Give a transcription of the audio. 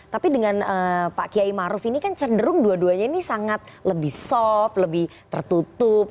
tapi dengan pak kiai maruf ini kan cenderung dua duanya ini sangat lebih soft lebih tertutup